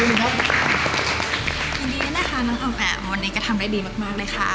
ยินดีนะครับน้องข้าวแฟมวันนี้ก็ทำได้ดีมากเลยค่ะ